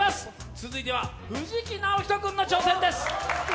続いては藤木直人君の挑戦です。